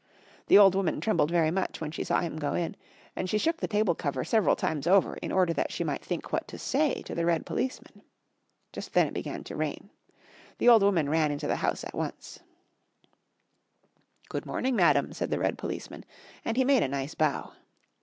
The old woman trembled very much when she saw him go in, and she shook the table cover several times over in order that she might think what to say to the red policeman. Just then it began to rain. The old woman ran into the house at once. [Illustration: Who should step in but the red policeman.] "Good morning, madam," said the red policeman, and he made a nice bow.